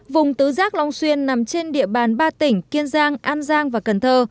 vùng tứ giác long xuyên nằm trên địa bàn ba tỉnh kiên giang an giang và cần thơ